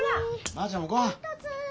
ばあちゃんもごはん！